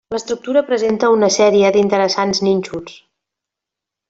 L'estructura presenta una sèrie d'interessants nínxols.